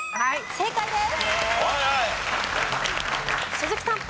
正解です。